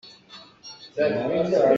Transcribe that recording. Khoi, in bawm ning.